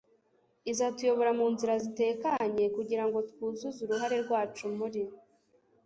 izatuyobora mu nzira zitekanye kugira ngo twuzuze uruhare rwacu muri